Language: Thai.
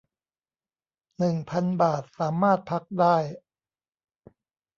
หนึ่งพัน บาท สามารถพักได้